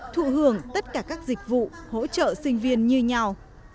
thụ hưởng tất cả các dịch vụ hỗ trợ sinh viên như nhau